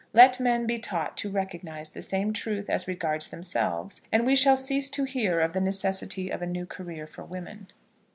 Let men be taught to recognise the same truth as regards themselves, and we shall cease to hear of the necessity of a new career for women.